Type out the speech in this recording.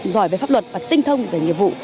giỏi về pháp luật và tinh thông về nghiệp vụ